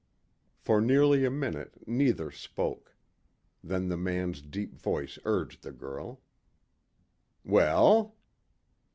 For nearly a minute neither spoke. Then the man's deep voice urged the girl. "Well?"